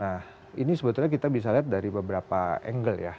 nah ini sebetulnya kita bisa lihat dari beberapa angle ya